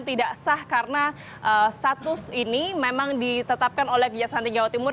tidak sah karena status ini memang ditetapkan oleh kejaksaan tinggi jawa timur